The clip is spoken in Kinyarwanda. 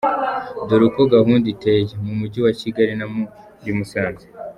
Dore uko gahunda iteye, mu mujyi wa Kigali na muri Musanze:.